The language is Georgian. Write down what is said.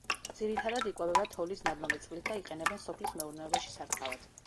ძირითადად იკვებება თოვლის ნადნობი წყლით და იყენებენ სოფლის მეურნეობაში, სარწყავად.